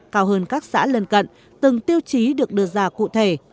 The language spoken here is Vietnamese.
cao hơn các xã lân cận từng tiêu chí được đưa ra cụ thể